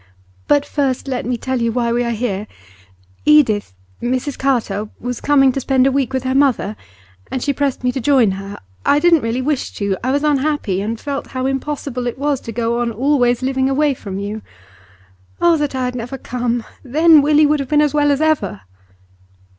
But first, let me tell you why we are here. Edith Mrs Carter was coming to spend a week with her mother, and she pressed me to join her. I didn't really wish to; I was unhappy, and felt how impossible it was to go on always living away from you. Oh, that I had never come! Then Willie would have been as well as ever.